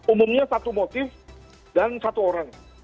umumnya satu motif dan satu orang